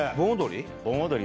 盆踊り？